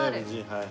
はい。